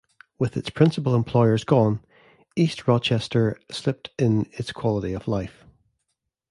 With its principal employers gone, East Rochester slipped in its quality of life.